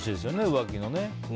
浮気のね。